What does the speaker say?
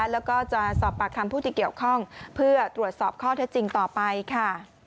แล้วก็จะสอบปากคำผู้ที่เกี่ยวข้องเพื่อตรวจสอบข้อเท็จจริงต่อไปค่ะ